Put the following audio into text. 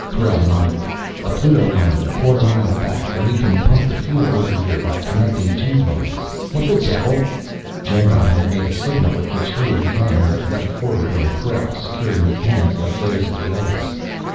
Krell nodded. "A Pluto liner a quarter mile back, and we can pump the fuel over here by connecting tube lines. What the devil " Jandron had made a signal at which three of his men had leapt forward on Krell, securing his hands like those of the others.